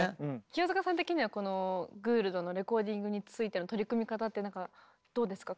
清塚さん的にはこのグールドのレコーディングについての取り組み方ってどうですか？